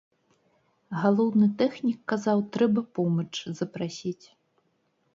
Галоўны тэхнік казаў, трэба помач запрасіць.